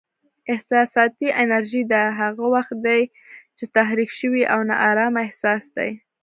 احساساتي انرژي: دا هغه وخت دی چې تحریک شوی او نا ارامه احساس دی.